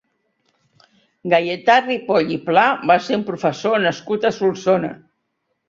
Gaietà Ripoll i Pla va ser un professor nascut a Solsona.